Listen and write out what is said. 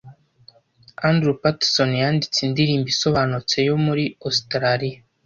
Andrew Patterson yanditse indirimbo isobanutse yo muri Ositaraliya